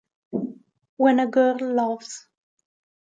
When a Girl Loves